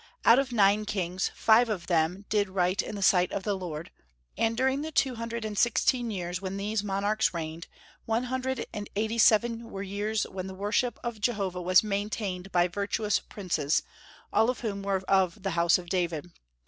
Out of nine kings, five of them "did right in the sight of the Lord;" and during the two hundred and sixteen years when these monarchs reigned, one hundred and eighty seven were years when the worship of Jehovah was maintained by virtuous princes, all of whom were of the house of David.